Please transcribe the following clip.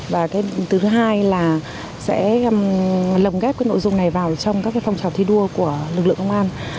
và thứ hai là sẽ lồng ghép cái nội dung này vào trong các phong trào thi đua của lực lượng công an